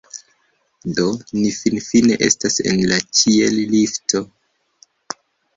Do ni finfine estas en la ĉiel-lifto